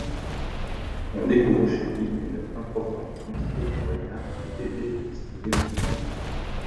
On découvre chez lui une importante quantité de poignards et d’épées destinés aux conjurés.